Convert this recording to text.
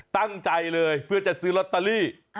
ตั้งใจเลยเพื่อจะซื้อลอตเตอรี่